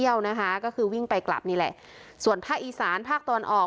เที่ยวนะฮะก็คือวิ่งไปกลับนี่แหละส่วนถ้าอีสานภาคตัวอ่อนออก